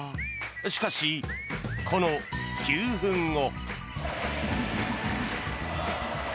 しかし、この９分後。